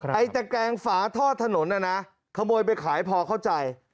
ไอ้ตะแกงฝาทอดถนนน่ะนะขโมยไปขายพอเข้าใจ